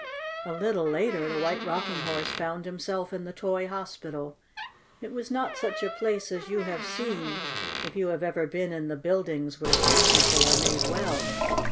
A little later the White Rocking Horse found himself in the toy hospital. It was not such a place as you have seen if you have ever been in the buildings where sick people are made well.